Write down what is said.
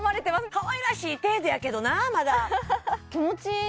かわいらしい程度やけどなまだ気持ちいい！